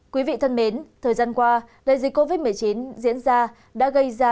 quý vị thân mến thời gian qua đại dịch covid một mươi chín diễn ra đã gây ra